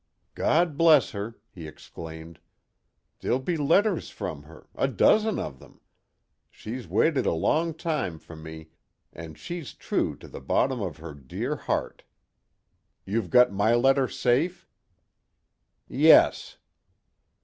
"God bless her!" he exclaimed. "There'll be letters from her a dozen of them. She's waited a long time for me, and she's true to the bottom of her dear heart. You've got my letter safe?" "Yes."